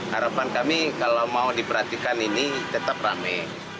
harapan kami kalau mau diperhatikan ini tetap rame